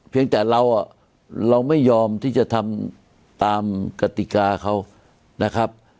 เพียงแต่เราไม่ยอมที่จะทำตามกติกาเขานะครับ